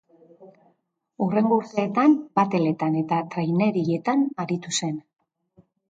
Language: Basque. Hurrengo urteetan bateletan eta trainerilletan aritu zen.